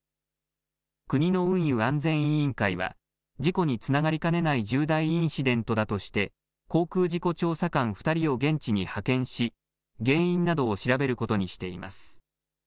国の運輸安全委員会は、事故につながりかねない重大インシデントだとして、航空事故調査官２人を現地に派遣し、原因などを調べることにしています。